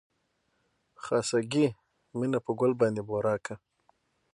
خاصګي مينه په ګل باندې بورا کا